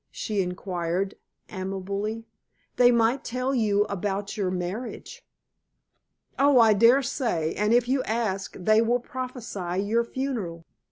she inquired amiably. "They might tell you about your marriage." "Oh, I daresay, and if you ask they will prophesy your funeral."